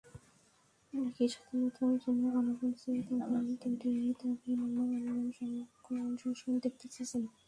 অনেকেই স্বাধীনতার জন্য গণভোট চেয়ে তাঁদের তৈরি দাবিনামার অনলাইন সংস্করণ দেখতে চেয়েছেন।